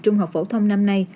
trung học phổ thông năm nay